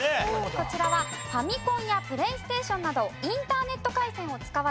こちらはファミコンやプレイステーションなどインターネット回線を使わずオフラインでするゲームの事です。